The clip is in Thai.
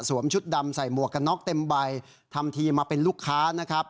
ชุดดำใส่หมวกกันน็อกเต็มใบทำทีมาเป็นลูกค้านะครับ